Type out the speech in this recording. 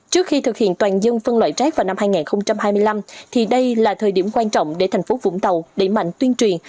trước khi thực hiện toàn dân phân loại rác vào năm hai nghìn hai mươi năm thì đây là thời điểm quan trọng để thành phố vũng tàu đẩy mạnh tuyên truyền